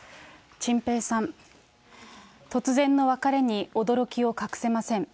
ちんぺいさん、突然の別れに驚きを隠せません。